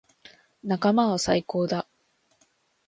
仲間は最高だ。